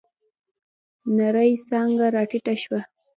نرۍ څانگه راټيټه شوه.